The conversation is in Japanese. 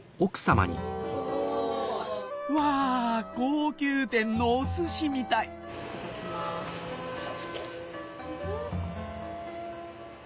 うわ高級店のお寿司みたいいただきます。